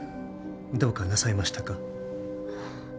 どうかなさいましたか？